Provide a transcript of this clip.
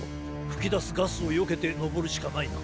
ふきだすガスをよけてのぼるしかないな。